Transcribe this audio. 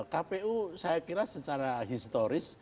kpu saya kira secara historis